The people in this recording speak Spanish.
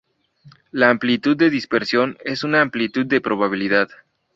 La amplitud de dispersión es una amplitud de probabilidad.